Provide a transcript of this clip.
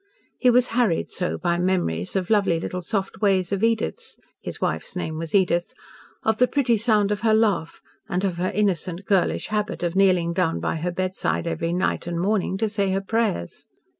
He was harried so by memories of lovely little soft ways of Edith's (his wife's name was Edith), of the pretty sound of her laugh, and of her innocent, girlish habit of kneeling down by her bedside every night and morning to say her prayers.